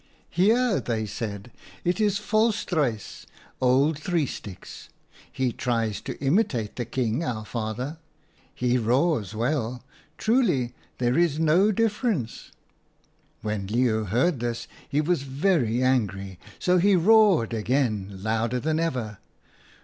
"'Hear,' they said, 'it is Volstruis, old Three Sticks. He tries to imitate the King, our father. He roars well. Truly there is no difference.' " When Leeuw heard this he was very angry, so he roared again, louder than ever.